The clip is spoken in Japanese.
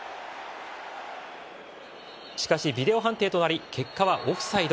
しかし、ビデオ判定となり結果はオフサイド。